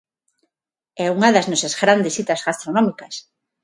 É unha das nosas grandes citas gastronómicas.